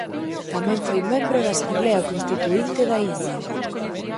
Tamén foi membro da Asemblea Constituínte da India.